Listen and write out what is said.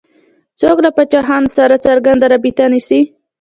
څوک له پاچاهانو سره څرنګه رابطه نیسي.